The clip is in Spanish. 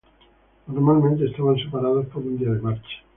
Normalmente estaban separados por un día de marcha.